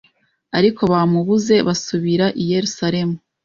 Ariko bamubuze basubira i Yerusalemu